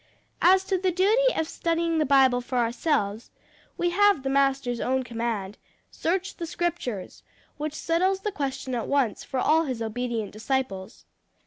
"As to the duty of studying the Bible for ourselves we have the master's own command, 'Search the Scriptures,' which settles the question at once for all his obedient disciples.